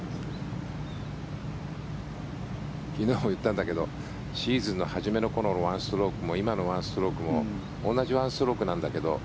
昨日言ったんだけどシーズン初めの１ストロークも今の１ストロークも同じ１ストロークなんだけど。